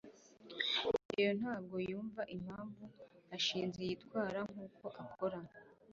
rugeyo ntabwo yumva impamvu gashinzi yitwara nkuko akora